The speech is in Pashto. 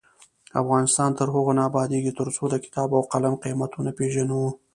افغانستان تر هغو نه ابادیږي، ترڅو د کتاب او قلم قیمت ونه پیژنو.